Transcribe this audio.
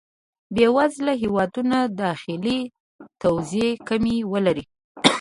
بې وزله هېوادونه داخلي توزېع کمی ولري.